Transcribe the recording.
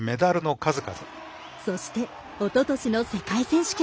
そして、おととしの世界選手権。